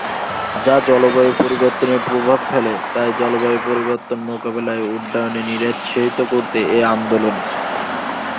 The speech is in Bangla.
যা জলবায়ু পরিবর্তনের প্রভাব ফেলে তাই জলবায়ু পরিবর্তন মোকাবেলায় উড্ডয়নে নিরুৎসাহিত করাতে এ আন্দোলন।